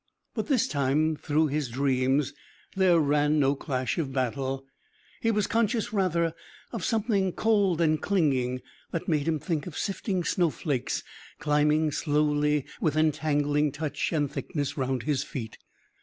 But this time through his dreams there ran no clash of battle. He was conscious, rather, of something cold and clinging that made him think of sifting snowflakes climbing slowly with entangling touch and thickness round his feet.